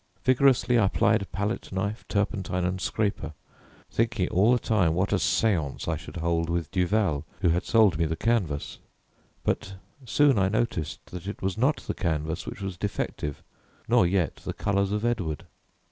Vigorously I plied palette knife, turpentine, and scraper, thinking all the time what a séance I should hold with Duval who had sold me the canvas; but soon I noticed that it was not the canvas which was defective nor yet the colours of Edward.